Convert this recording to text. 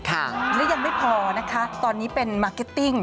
หรือยังไม่พอนะคะตอนนี้เป็นมาร์เก็ตติ้ง